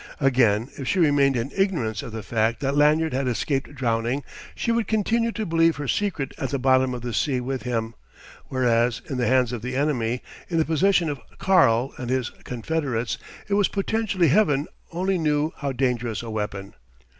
Again, if she remained in ignorance of the fact that Lanyard had escaped drowning, she would continue to believe her secret at the bottom of the sea with him; whereas, in the hands of the enemy, in the possession of "Karl" and his, confederates, it was potentially Heaven only knew how dangerous a weapon.